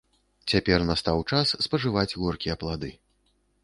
Цяпер настаў час спажываць горкія плады.